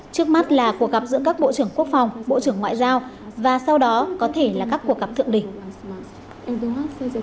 trước mắt là cuộc gặp giữa các bộ trưởng quốc phòng bộ trưởng ngoại giao và sau đó có thể là các cuộc gặp thượng đỉnh